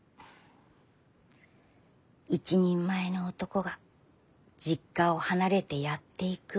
一人前の男が実家を離れてやっていく。